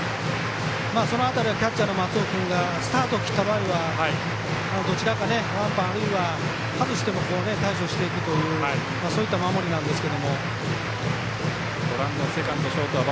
その辺りはキャッチャーの松尾君がスタートを切った場合はどちらかワンバンあるいは、外しても対処していくというそういった守りなんですが。